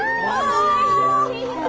おいしい。